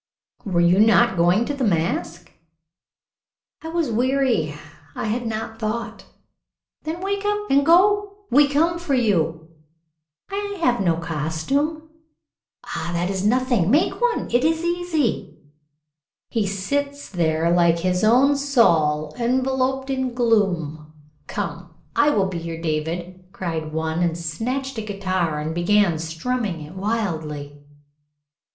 "Were you not going to the mask?" "I was weary; I had not thought." "Then wake up and go. We come for you." "I have no costume." "Ah, that is nothing. Make one; it is easy." "He sits there like his own Saul, enveloped in gloom. Come, I will be your David," cried one, and snatched a guitar and began strumming it wildly.